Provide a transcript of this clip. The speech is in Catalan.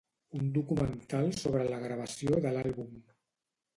Un documental sobre la gravació de l'àlbum.